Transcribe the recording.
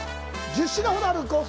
１０品ほどあるコース